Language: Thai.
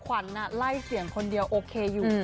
ขวัญไล่เสียงคนเดียวโอเคอยู่